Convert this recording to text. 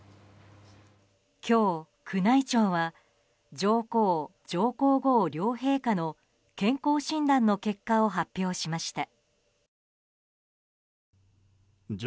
今日、宮内庁は上皇・上皇后両陛下の健康診断の結果を発表しました。